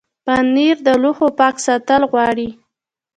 پنېر د لوښو پاک ساتل غواړي.